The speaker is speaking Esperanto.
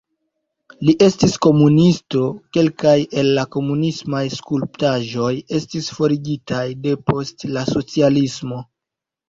Li estis komunisto, kelkaj el la komunismaj skulptaĵoj estis forigitaj depost la socialismo.